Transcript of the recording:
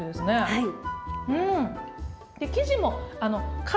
はい。